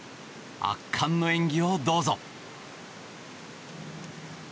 圧巻の演技をどうぞ。